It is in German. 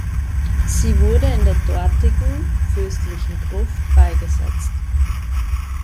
Sie wurde in der dortigen fürstlichen Gruft beigesetzt.